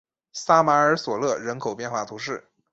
萨马尔索勒人口变化图示